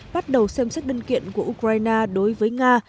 bắt đầu xem xét đơn kiện của ukraine đối với nga